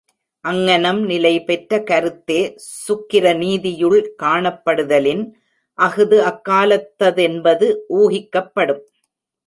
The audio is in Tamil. அங்ஙனம் நிலை பெற்ற கருத்தே சுக்கிர நீதியுள் காணப்படுதலின் அஃது அக்காலத்ததென்பது ஊகிக்கப்படும்.